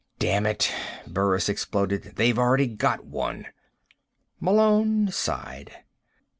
"Damn it," Burris exploded, "they've already got one." Malone sighed.